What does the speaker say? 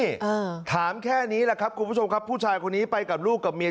อ่าถามแค่นี้แหละครับคุณผู้ชมครับผู้ชายคนนี้ไปกับลูกกับเมีย